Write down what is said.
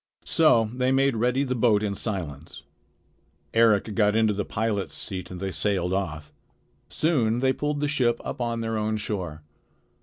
So they made ready the boat in silence. Eric got into the pilot's seat and they sailed off. Soon they pulled the ship up on their own shore.